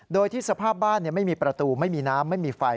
โดยที่สภาพบ้านไม่มีประตูไม่มีน้ำไม่มีไฟ